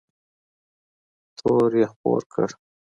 تور یې خپور کړ